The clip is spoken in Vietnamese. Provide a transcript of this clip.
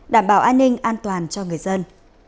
đảm bảo an ninh an toàn cho người dân